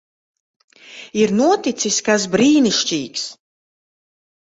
Ir noticis kas brīnišķīgs.